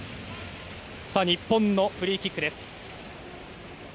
日本のフリーキックです。